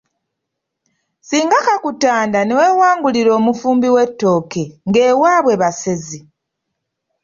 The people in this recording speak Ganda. Singa kakutanda ne weewangulira omufumbi w’ettooke ng’ewaabwe basezi.